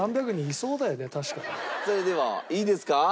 それではいいですか？